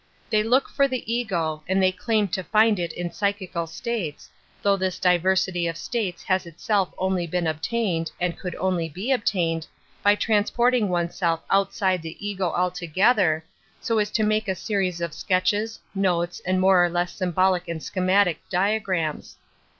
"I They look for' the ego, and they claim to find it in psy chical states, though this diversity of states has itself only been obtained, and could only be obtained, by transporting oneself outside the ego altogether, so as to make a series of sketches, notes, and more or less symbolic and schematic diagrams.